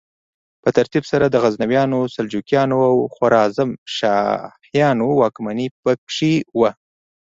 په ترتیب سره د غزنویانو، سلجوقیانو او خوارزمشاهیانو واکمني پکې وه.